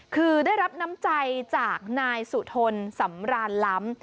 คือได้รับน้ำใจจากนายสุทนสำรานล้ำ